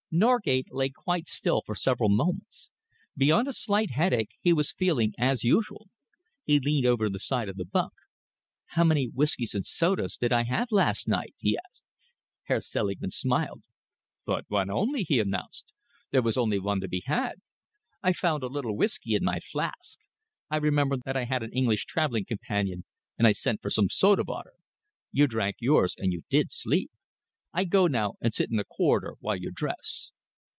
Norgate lay quite still for several moments. Beyond a slight headache, he was feeling as usual. He leaned over the side of the bunk. "How many whiskies and soda did I have last night?" he asked. Herr Selingman smiled. "But one only," he announced. "There was only one to be had. I found a little whisky in my flask. I remembered that I had an English travelling companion, and I sent for some soda water. You drank yours, and you did sleep. I go now and sit in the corridor while you dress."